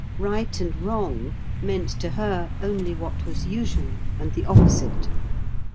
Right and wrong meant to her only what was usual and the opposite.